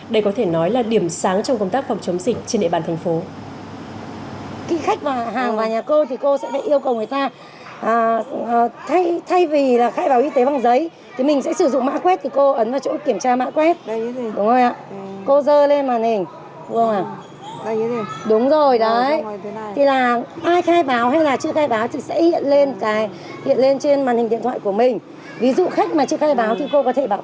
đây có thể nói là điểm sáng trong công tác phòng chống dịch trên địa bàn thành phố